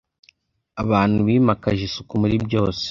abantu bimakaje isuku muri byose